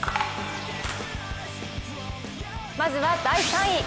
まずは第３位。